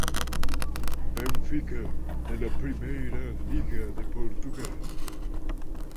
Benfica de la Primeira Liga de Portugal.